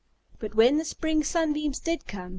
But when the spring sunbeams did come!